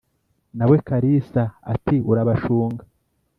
Na we Kalisa ati: "Urabashunga!